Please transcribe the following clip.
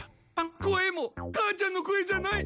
声も母ちゃんの声じゃない！